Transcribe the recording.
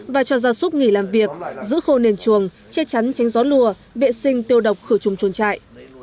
và cho ra súc nghỉ làm việc giữ khô nền chuồng che chắn tránh gió lùa vệ sinh tiêu độc khử trùng chuồng chạy